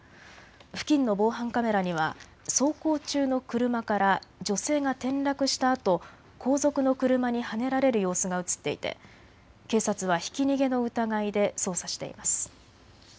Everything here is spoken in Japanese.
付近の防犯カメラには走行中の車から女性が転落したあと後続の車にはねられる様子が写っていて警察はひき逃げの疑いで捜査しています。